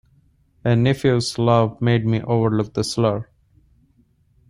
A nephew's love made me overlook the slur.